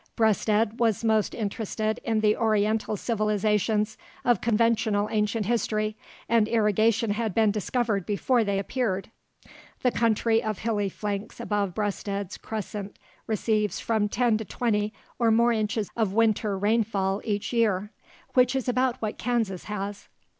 Breasted was most interested in the oriental civilizations of conventional ancient history, and irrigation had been discovered before they appeared. The country of hilly flanks above Breasted's crescent receives from 10 to 20 or more inches of winter rainfall each year, which is about what Kansas has.